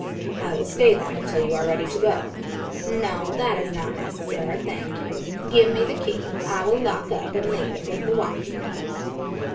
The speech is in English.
"I will stay then until you are ready to go." "No; that is not necessary, thank you. Give me the key. I will lock up and leave it with the watchman."